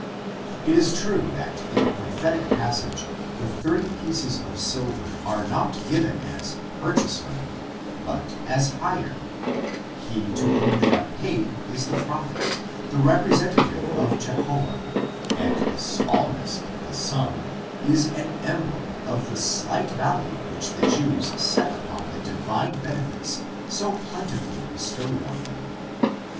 It is true that in the prophetic passage the thirty pieces of silver are not given as purchase money, but as hire; he to whom they are paid is the prophet, the representative of Jehovah, and 'the smallness of the sum is an emblem of the slight value which the Jews set upon the divine benefits so plentifully bestowed on them.